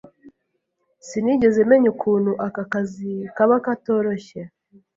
Sinigeze menya ukuntu aka kazi kaba katoroshye.